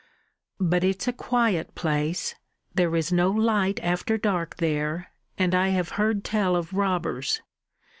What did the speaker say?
"But it's a quiet place. There is no light after dark there, and I have heard tell of robbers.